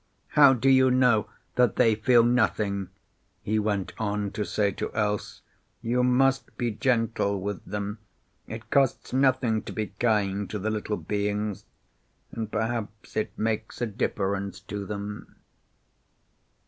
"How do you know that they feel nothing?" he went on to say to Else. "You must be gentle with them. It costs nothing to be kind to the little beings, and perhaps it makes a difference to them."